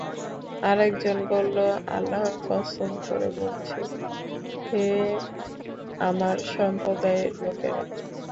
আরেকজন বলল, আল্লাহর কসম করে বললছি, হে আমার সম্প্রদায়ের লোকেরা!